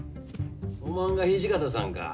おまんが土方さんか。